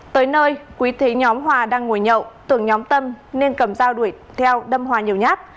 tới nơi quý thấy nhóm hòa đang ngồi nhậu tưởng nhóm tâm nên cầm dao đuổi theo đâm hòa nhiều nhát